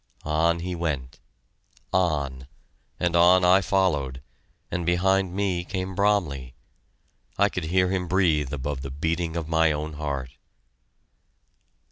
On he went on and on I followed, and behind me came Bromley. I could hear him breathe above the beating of my own heart.